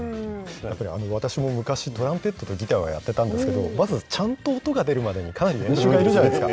私も昔、トランペットとギターはやっていたんですけれども、まず、ちゃんと音が出るまでに、かなり練習がいるじゃないですか。